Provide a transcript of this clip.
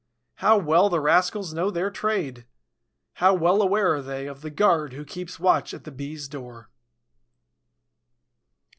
How well the rascals know their trade! How well aware are they of the guard who keeps watch at the Bees' door!